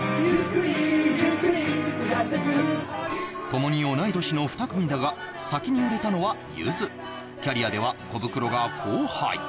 ともに同い年の二組だが先に売れたのはゆずキャリアではコブクロが後輩